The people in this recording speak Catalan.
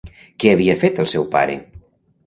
Què havia fet el seu pare?